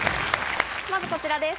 まずこちらです。